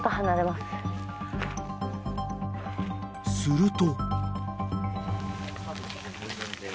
［すると］